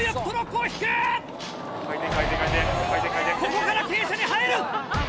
ここから傾斜に入る！